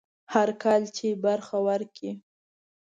هر کال چې برخه ورکړي.